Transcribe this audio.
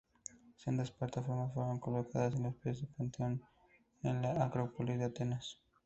Sendas pancartas fueron colocadas a los pies del Partenón en la Acrópolis de Atenas.